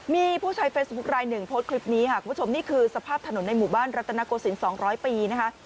มีผู้ใช้เฟซบุ๊คลายหนึ่งโพสต์คลิปนี้ค่ะคุณผู้ชมนี่คือสภาพถนนในหมู่บ้านรัตนโกศิลป์๒๐๐ปีนะคะ